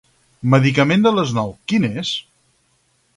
Medicament de les nou, quin és?